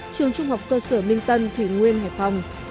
trường trung học cơ sở minh tân thủy nguyên hải phòng